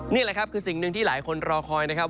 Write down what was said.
นี่แหละครับคือสิ่งหนึ่งที่หลายคนรอคอยนะครับ